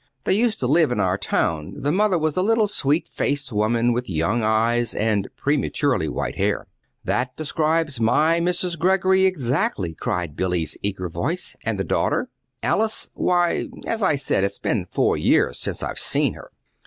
They used to live in our town. The mother was a little sweet faced woman with young eyes and prematurely white hair." "That describes my Mrs. Greggory exactly," cried Billy's eager voice. "And the daughter?" "Alice? Why as I said, it's been four years since I've seen her."